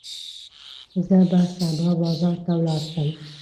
زه به سبا بازار ته ولاړ شم.